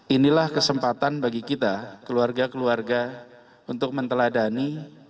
inilah kesempatan bagi kita keluarga keluarga untuk menteladani